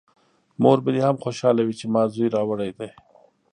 مور به دې هم خوشحاله وي چې ما زوی راوړی دی!